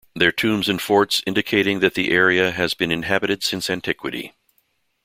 There tombs and forts indicating that the area has been inhabited since antiquity.